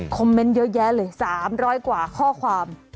เมนต์เยอะแยะเลย๓๐๐กว่าข้อความ